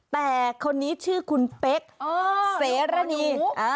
แต่คนนี้ชื่อคุณเป๊กเสรณี